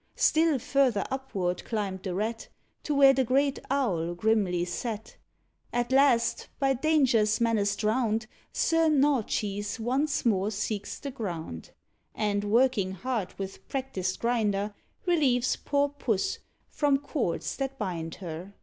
Still further upward climbed the Rat, To where the great Owl grimly sat; At last, by dangers menaced round, Sir Gnaw cheese once more seeks the ground, And, working hard with practised grinder, Relieves poor Puss from cords that bind her.